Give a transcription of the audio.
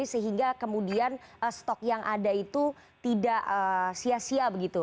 sehingga kemudian stok yang ada itu tidak sia sia begitu